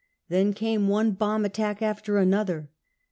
Then came one bomb attack after another.